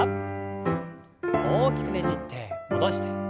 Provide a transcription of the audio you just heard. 大きくねじって戻して。